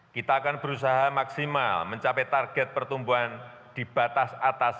kita akan berusaha maksimal mencapai target pertumbuhan di batas atas